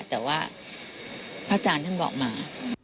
แต่ว่าพระอาจารย์ท่านบอกมา